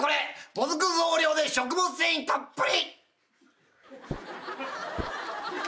もずく増量で食物繊維たっぷり」